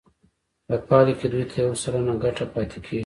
په پایله کې دوی ته یو سلنه ګټه پاتې کېږي